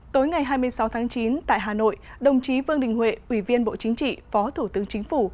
tối ngày hai mươi sáu tháng chín tại hà nội đồng chí vương đình huệ ủy viên bộ chính trị phó thủ tướng chính phủ